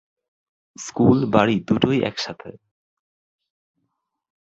School, বাড়ি দুটোই একসাথে।